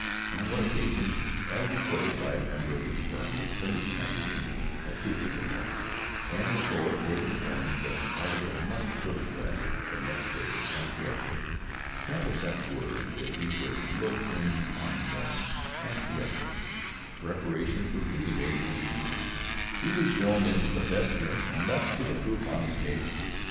On one occasion, as reported by a member of the firm that printed the magazine, a proof had been lost, and the poet was informed that the article must go to press next day uncorrected. Campbell sent word that he would look in in the morning and correct it. Preparations were duly made to receive him; he was shown into the best room, and left with the proof on his table.